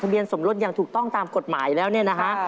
เบียนสมรสอย่างถูกต้องตามกฎหมายแล้วเนี่ยนะฮะ